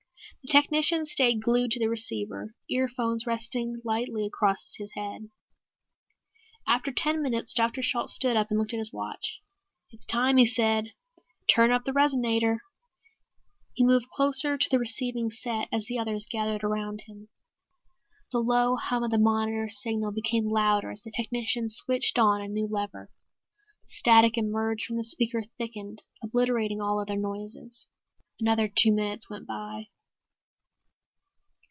The technician stayed glued to the receiver, earphones resting lightly across his head. After ten minutes Dr. Shalt stood up and looked at his watch. "It's time," he said. "Turn up the resonator." He moved closer to the receiving set as the others gathered around him. The low hum of the monitor signal became louder as the technician switched on a new lever. The static emerging from the speaker thickened, obliterating all other noises. Another two minutes went by....